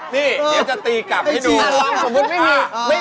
นี่เดี๋ยวจะตีกลับให้ดู